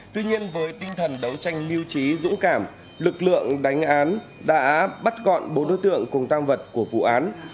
tuy nhiên với tinh thần đấu tranh mưu trí dũng cảm lực lượng đánh án đã bắt gọn bốn đối tượng cùng tăng vật của vụ án